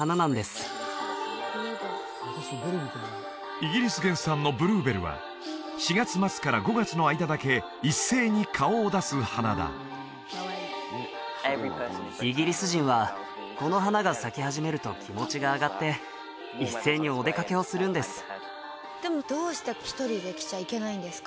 イギリス原産のブルーベルは４月末から５月の間だけ一斉に顔を出す花だイギリス人はこの花が咲き始めると気持ちが上がって一斉にお出かけをするんですでもどうして１人で来ちゃいけないんですか？